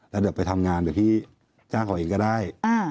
แล้วเดี๋ยวไปทำงานเดี๋ยวพี่จ้างเขาเองก็ได้